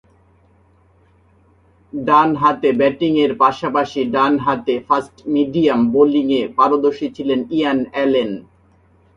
ডানহাতে ব্যাটিংয়ের পাশাপাশি ডানহাতে ফাস্ট-মিডিয়াম বোলিংয়ে পারদর্শী ছিলেন ইয়ান অ্যালেন।